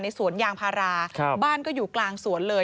สวนยางพาราบ้านก็อยู่กลางสวนเลย